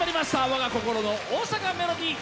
「わが心の大阪メロディー」！